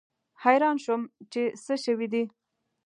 حیران شوم چې څه شوي دي.